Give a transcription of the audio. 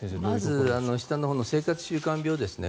まず下のほうの生活習慣病ですね。